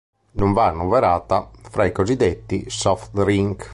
Non va annoverata fra i cosiddetti "soft drink".